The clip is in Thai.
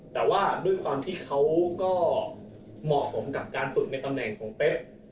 แต่ว่าด้วยความที่เขาก็เหมาะสมกับการฝึกในตำแหน่งของเป๊ก